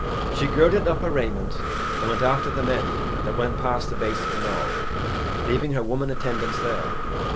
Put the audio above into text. She girded up her raiment and went after the men that went past the base of the knoll, leaving her women attendants there.